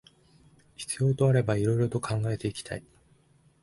必要とあれば色々と考えていきたい